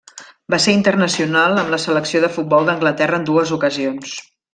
Va ser internacional amb la selecció de futbol d'Anglaterra en dues ocasions.